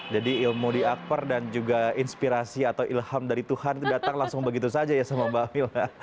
jadi ilmu di akper dan juga inspirasi atau ilham dari tuhan datang langsung begitu saja ya sama mbak wilna